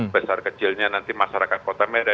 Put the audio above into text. besar kecilnya nanti masyarakat kota medan